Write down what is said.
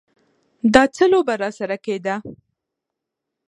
دا څه لوبه راسره کېده.